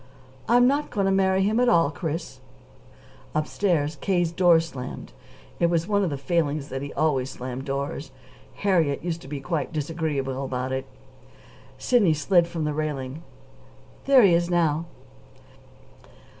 "I'm not going to marry him at all, Chris." Upstairs, K.'s door slammed. It was one of his failings that he always slammed doors. Harriet used to be quite disagreeable about it. Sidney slid from the railing. "There he is now."